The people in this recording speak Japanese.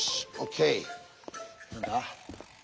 何だ？